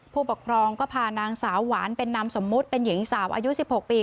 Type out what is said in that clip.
ผู้ปกครองก็พานางสาวหวานเป็นนามสมมุติเป็นหญิงสาวอายุ๑๖ปี